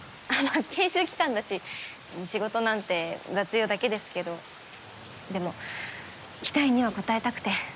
あ研修期間だし仕事なんて雑用だけですけどでも期待には応えたくて。